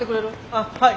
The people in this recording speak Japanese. あっはい。